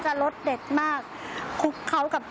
ปลอดภัย